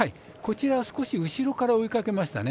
少し後ろから追いかけましたね。